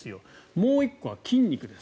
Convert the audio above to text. もう１個は筋肉です。